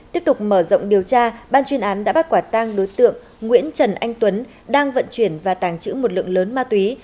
tiếp tục mở rộng điều tra ban chuyên án đã bắt quả tang đối tượng nguyễn trần anh tuấn đang vận chuyển và tàng trữ một lượng lớn ma túy